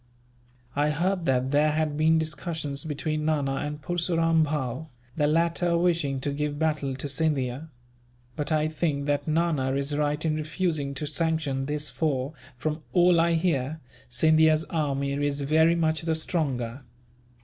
"I heard that there had been discussions between Nana and Purseram Bhow, the latter wishing to give battle to Scindia; but I think that Nana is right in refusing to sanction this for, from all I hear, Scindia's army is very much the stronger."